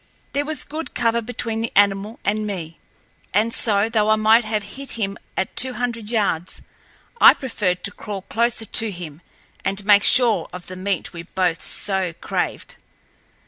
There was good cover between the animal and me, and so, though I might have hit him at two hundred yards, I preferred to crawl closer to him and make sure of the meat we both so craved.